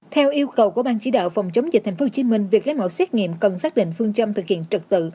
theo yêu cầu của bang chỉ đạo phòng chống dịch tp hcm việc lấy mẫu xét nghiệm cần xác định phương châm thực hiện trực tự